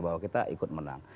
bahwa kita ikut menang